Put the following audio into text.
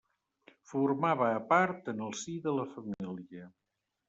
Formava a part en el si de la família.